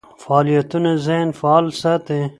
فعالیتونه ذهن فعال ساتي.